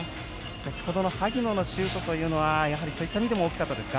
先ほどの萩野のシュートはそういった意味でも大きかったですか？